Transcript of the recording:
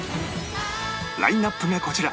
ラインアップがこちら